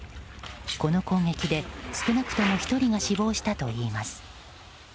この攻撃で少なくとも１人が死亡したといいます。